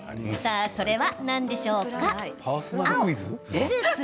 それは何でしょうか？